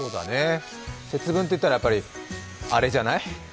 節分っていったら、やっぱりアレじゃない？